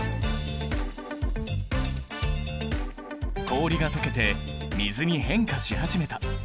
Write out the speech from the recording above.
氷がとけて水に変化し始めた。